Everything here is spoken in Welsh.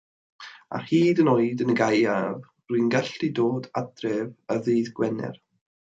A hyd yn oed yn y gaeaf rwy'n gallu dod adref ar ddydd Gwener.